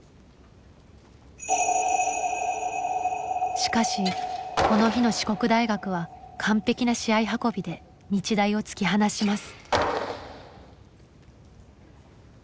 しかしこの日の四国大学は完璧な試合運びで日大を突き放します。